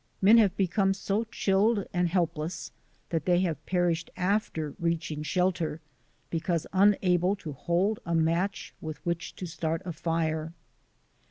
Men have become so chilled and helpless that they have perished after reaching shelter because unable to hold a match with which to start a fire.